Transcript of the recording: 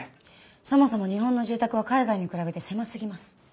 そもそも日本の住宅は海外に比べて狭すぎます。